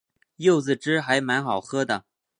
柚子汁还蛮好喝的